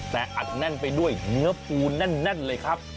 แต่อัดแน่นไปด้วยเนื้อปูแน่นเลยครับ